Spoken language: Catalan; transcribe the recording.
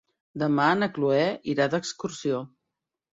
Demà na Cloè irà d'excursió.